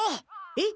えっ？